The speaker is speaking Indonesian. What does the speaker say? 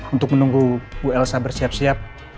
untuk menunggu bu elsa bersiap siap